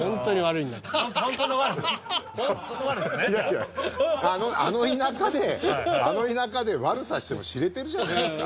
いやいやあの田舎であの田舎で悪さしても知れてるじゃないですか